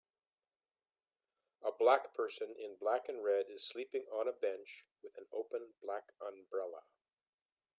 A black person in black and red is sleeping on a bench with an open black umbrella